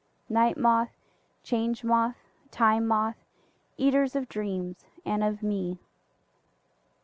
Night Moth, Change Moth, Time Moth, eaters of dreams and of me!